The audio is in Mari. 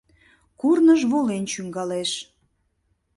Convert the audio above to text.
Курныж волен чӱҥгалеш, -